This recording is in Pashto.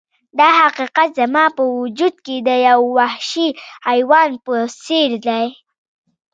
دا حقیقت زما په وجود کې د یو وحشي حیوان په څیر دی